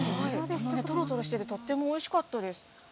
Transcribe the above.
とろとろしてて、とってもおいしかったです。